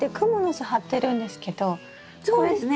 そうですね。